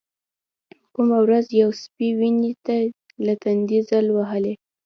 کومه ورځ يو سپى ويني چې له تندې ځل وهلى.